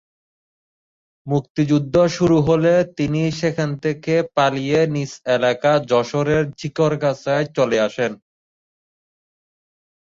মুক্তিযুদ্ধ শুরু হলে তিনি সেখান থেকে পালিয়ে নিজ এলাকা যশোরের ঝিকরগাছায় চলে আসেন।